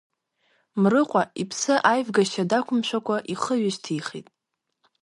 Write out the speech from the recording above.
Мрыҟәа, иԥсы аивгашьа дақәымшәакәа, ихы ҩышьҭихит.